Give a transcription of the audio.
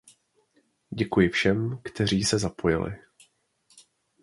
Děkuji všem, kteří se zapojili.